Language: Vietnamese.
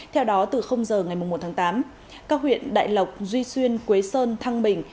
theo đó từ giờ ngày một tháng tám các huyện đại lộc duy xuyên quế sơn thăng bình